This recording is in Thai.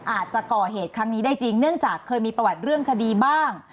อาจจะก่อเหตุครั้งนี้ได้จริงเนื่องจากเคยมีประวัติเรื่องคดีบ้าง